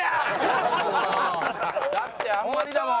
だってあんまりだもん。